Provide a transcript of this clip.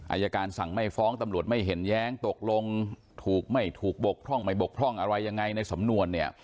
อายการสั่งไม่ฟ้องตำรวจไม่เห็นแย้งตกลงถูกไม่ถูกบกพร่องไม่บกพร่องอะไรยังไงในสำนวนเนี่ย